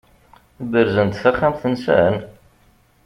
Berzen-d taxxamt-nsen?